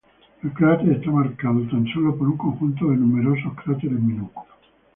El cráter está marcado tan solo por un conjunto de números cráteres minúsculos.